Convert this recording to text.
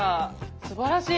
すばらしい！